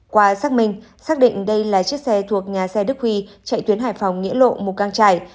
qua xác minh xác định đây là chiếc xe thuộc nhà xe đức huy chạy tuyến hải phòng nghĩa lộ mù căng trải